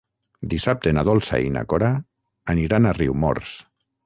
Dissabte na Dolça i na Cora aniran a Riumors.